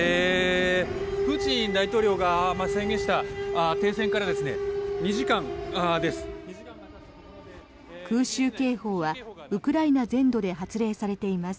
プーチン大統領が宣言した停戦から２時間です。